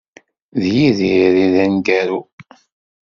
D Yidir i d aneggaru.